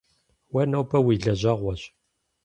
Уэ нобэ уи лэжьэгъуэщ.